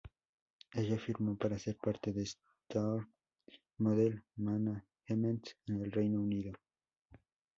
Ella firmó para ser parte de Storm Model Management en el Reino Unido.